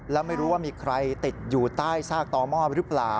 แล้วไม่รู้ว่ามีใครติดอยู่ใต้ซากต่อหม้อหรือเปล่า